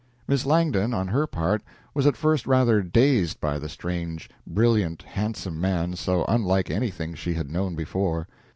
Miss Langdon, on her part, was at first rather dazed by the strange, brilliant, handsome man, so unlike anything she had known before.